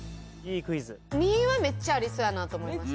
２はめっちゃありそうやなと思いました